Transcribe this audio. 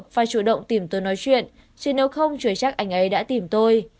phải chủ động tìm tôi nói chuyện chứ nếu không chứa chắc anh ấy đã tìm tôi